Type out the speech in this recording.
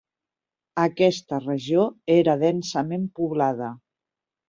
Aquesta regió era densament poblada.